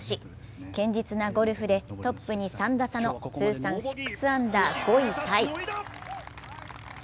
堅実なゴルフでトップに３打差の通算６アンダー、５位タイ。